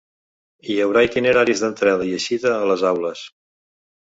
Hi haurà itineraris d’entrada i eixida a les aules.